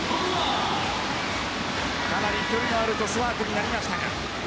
かなり距離のあるトスワークになりましたが。